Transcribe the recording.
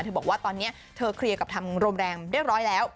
บอกว่าตอนนี้เธอเคลียร์กับทางโรงแรมเรียบร้อยแล้ว